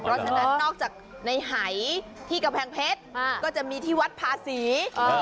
เพราะฉะนั้นนอกจากในหายที่กำแพงเพชรก็จะมีที่วัดภาษี